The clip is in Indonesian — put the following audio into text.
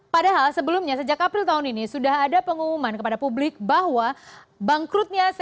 padahal sebelumnya sejak april tahun ini sudah ada pengumuman kepada publik bahwa bangkrutnya